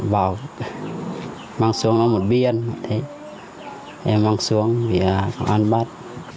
bảo mang xuống một viên em mang xuống vì còn ăn bát